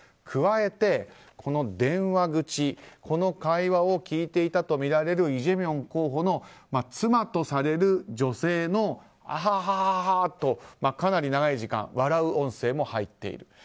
加えて、電話口の会話を聞いていたとみられるイ・ジェミョン候補の妻とされる女性のあはははは、とかなり長い時間笑う音声も入っている。